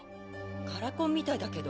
カラコンみたいだけど。